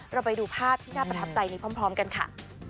เราไปดูภาพที่น่าประทับใจนี้พร้อมกันค่ะ